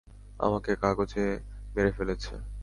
আমাকে কাগজে মেরে ফেলেছে।